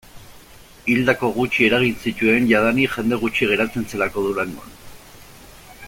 Hildako gutxi eragin zituen, jadanik jende gutxi geratzen zelako Durangon.